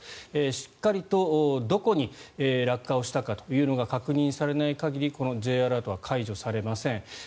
しっかりとどこに落下したかというのが確認されない限りこのＪアラートは解除されません。